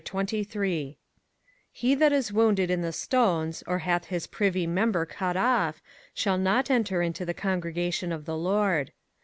05:023:001 He that is wounded in the stones, or hath his privy member cut off, shall not enter into the congregation of the LORD.